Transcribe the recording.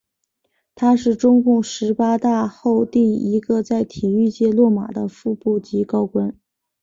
他是中共十八大后第一个在体育界落马的副部级高官。